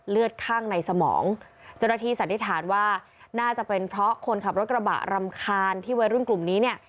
เลือดข้างในสมองเจ้าหน้าที่สันนิษฐานว่าน่าจะเป็นเพราะคนขับรถกระบะรำคาญที่วัยรุ่นกลุ่มนี้เนี่ย